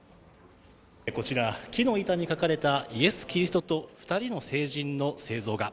こちら、木の板に書かれたイエス・キリストと二人の聖人の聖像画。